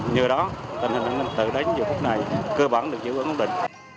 nhờ đó tình hình an ninh trật tự đến giờ phút này cơ bản được giữ ứng ổn định